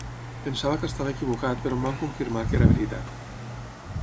Pensava que estava equivocat però em van confirmar que era veritat